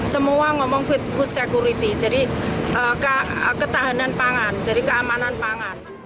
semua ngomong food security jadi ketahanan pangan jadi keamanan pangan